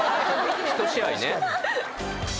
１試合ね。